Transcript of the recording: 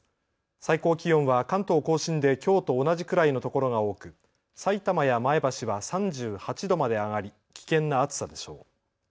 最高気温は関東甲信できょうと同じくらいの所が多くさいたまや前橋は３８度まで上がり危険な暑さでしょう。